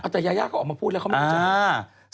แต่ยายาเขาออกมาพูดแล้วเขาไม่รู้จัก